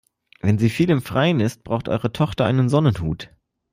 Wenn sie viel im Freien ist, braucht eure Tochter einen Sonnenhut.